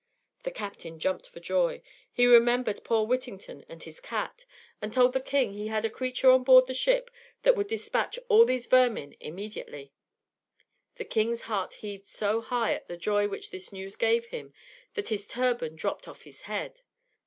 The captain jumped for joy; he remembered poor Whittington and his cat, and told the King he had a creature on board the ship that would despatch all these vermin immediately. The King's heart heaved so high at the joy which this news gave him that his turban dropped off his head.